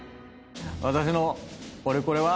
私のオレコレは。